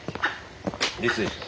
リスでしょ。